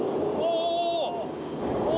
お！